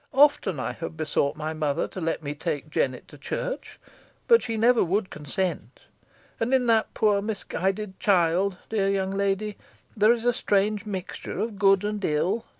Often have I besought my mother to let me take Jennet to church, but she never would consent. And in that poor misguided child, dear young lady, there is a strange mixture of good and ill.